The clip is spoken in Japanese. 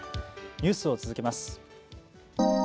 ニュースを続けます。